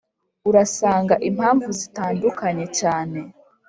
urasanga impamvu zitadukanye cyane